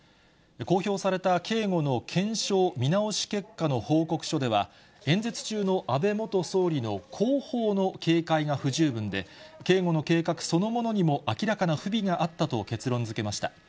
公表された警護の検証・見直し結果の報告書では、演説中の安倍元総理の後方の警戒が不十分で、警護の計画そのものにも明らかな不備があったと結論づけました。